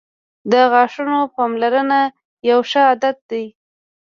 • د غاښونو پاملرنه یو ښه عادت دی.